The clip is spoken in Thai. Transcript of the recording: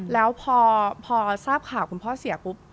แล้วพอทราบข่าวคุณพ่อเสียปุ๊บ